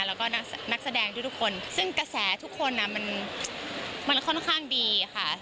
แล้วก็นักแสดงทุกคนซึ่งกระแสทุกคนมันค่อนข้างดีค่ะ